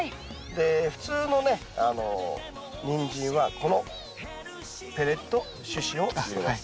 で普通のねニンジンはこのペレット種子を入れます。